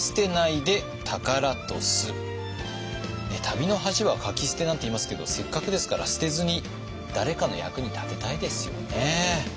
「旅の恥はかき捨て」なんていいますけどせっかくですから捨てずに誰かの役に立てたいですよね。